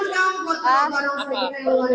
apa beruntungannya apa tadi